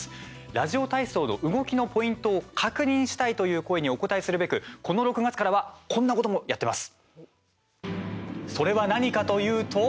ラジオ体操の動きのポイントを確認したいという声にお応えするべく、この６月からはこんなこともやってます。